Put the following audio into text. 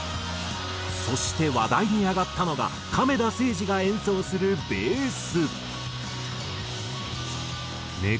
そして話題に上がったのが亀田誠治が演奏するベース。